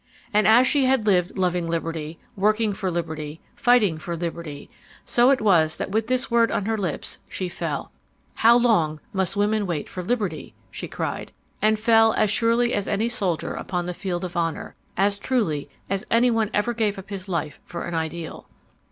"And as she had lived loving liberty, working for liberty, fighting for liberty, so it was that with this word on her lips she fell. 'How long must women wait for liberty?' she cried and fell as surely as any soldier upon the field of honor—as truly as any who ever gave up his life for an ideal.